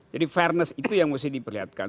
jadi fairness itu yang harus diperlihatkan